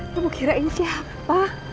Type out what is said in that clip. lu mau kirain siapa